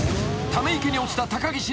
［ため池に落ちた高岸。